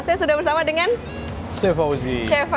saya sudah bersama dengan chef